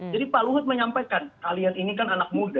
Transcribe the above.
jadi pak luhut menyampaikan kalian ini kan anak muda